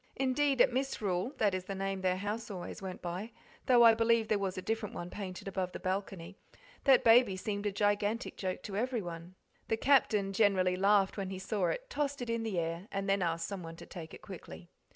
Indeed at Misrule that is the name their house always went by, though I believe there was a different one painted above the balcony that baby seemed a gigantic joke to everyone. The Captain generally laughed when he saw it, tossed it in the air, and then asked someone to take it quickly.